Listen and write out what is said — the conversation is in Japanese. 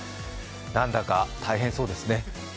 なんだか大変そうですね。